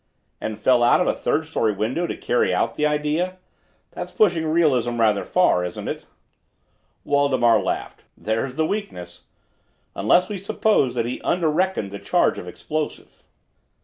"And fell out of a third story window to carry out the idea? That's pushing realism rather far, isn't it?" Waldemar laughed. "There's the weakness. Unless we suppose that he under reckoned the charge of explosive."